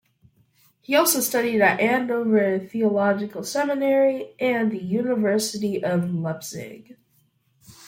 He also studied at Andover Theological Seminary and the University of Leipzig.